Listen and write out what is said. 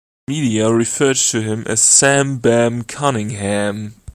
The media referred to him as Sam "Bam" Cunningham.